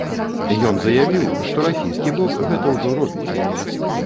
Ён заявіў, што расійскі бок гэта ўжо робіць.